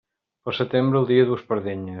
Pel setembre, el dia duu espardenyes.